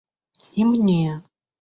И мне!